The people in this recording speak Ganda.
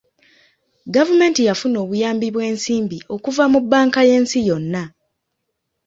Gavumenti yafuna obuyambi bw'ensimbi okuva mu bbanka y'ensi yonna.